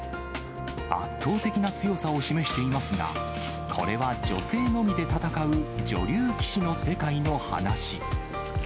圧倒的な強さを示していますが、これは女性のみで戦う女流棋士の世界の話。